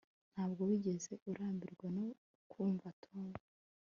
ntabwo wigeze urambirwa no kumva tom